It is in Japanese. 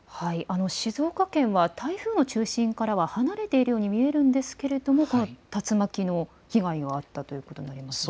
静岡県は台風の中心からは離れているように見えるんですが竜巻の被害があったということなんですか。